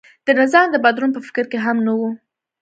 د نظام د بدلون په فکر کې هم نه و.